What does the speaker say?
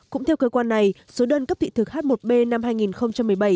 cũng theo cơ quan này số đơn cấp thị thực h một b năm hai nghìn một mươi bảy